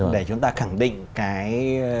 để chúng ta khẳng định cái